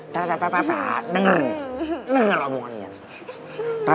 tata tata denger nih denger hubungannya